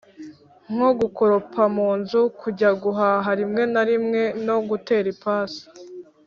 nko gukoropa mu nzu, kujya guhaha rimwe na rimwe no gutera ipasi.